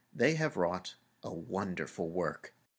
They have wrought a wonderful work.